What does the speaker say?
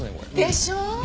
でしょ！